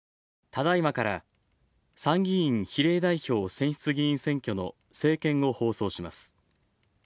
ただいまから参議院比例代表選出議員選挙の政見を放送します。